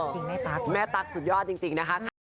จริงแม่ตักสุดยอดจริงนะคะ